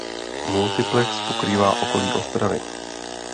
Multiplex pokrývá okolí Ostravy.